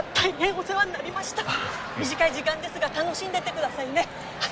短い時間ですが楽しんでって下さいね。